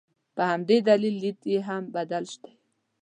په همدې دلیل لید یې هم بدل دی.